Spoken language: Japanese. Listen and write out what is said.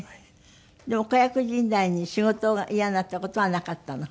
でも子役時代に仕事がイヤになった事はなかったの？